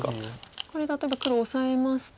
これ例えば黒オサえますと。